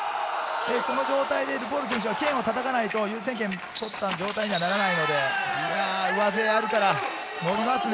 その状態でルフォール選手は剣をたたかないと優先権を取った状態にはならないので、いや、上背があるから、のりますね。